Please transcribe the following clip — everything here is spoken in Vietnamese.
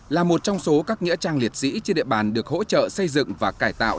là một trong số các nghĩa trang liệt sĩ trên địa bàn được hỗ trợ xây dựng và cải tạo